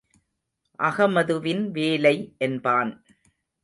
அகமதுவின் வேலை என்பான்.